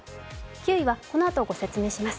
９位はこのあと御紹介します。